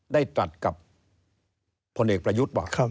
ได้ตัดกับพลเอกประยุทธ์ป่ะ